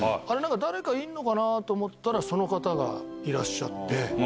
誰かいんのかな？と思ったらその方がいらっしゃって。